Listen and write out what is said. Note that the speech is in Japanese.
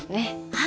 はい。